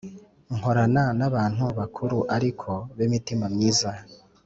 nkorana nabantu bakuru ariko bimitima myiza